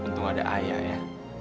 untung ada ayah ya